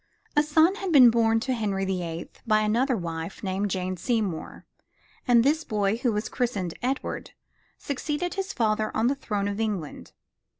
A son had been born to Henry the Eighth by another wife named Jane Seymour; and this boy, who was christened Edward, succeeded his father on the throne of England.